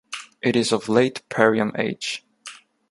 It is of Late Permian age.